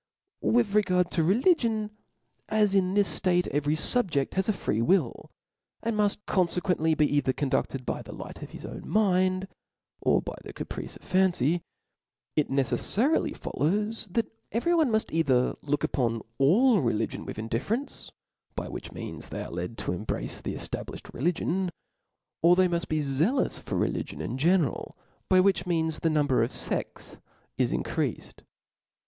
With regard to religion, as in this ftatc every fubje^c): has a free will, and muft confequently be cither conduced by the light of his own mind or by the caprice of fancy ^ it neceffarily follows, that every one muft either look upon all religion with indifference, by which means they are led to em brace the eftablilhed religion ; or they muft be zealous for religion in general, by which means the number of feds is increafed.